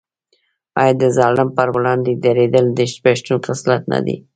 آیا د ظالم پر وړاندې دریدل د پښتون خصلت نه دی؟